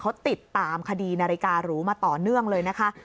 เขาติดตามคดีนาฬิการูมาต่อเนื่องเลยนะคะ